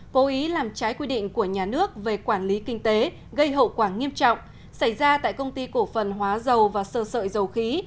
cố ý làm trái quy định của nhà nước về quản lý kinh tế gây hậu quả nghiêm trọng xảy ra tại công ty cổ phần hóa dầu và sơ sợi dầu khí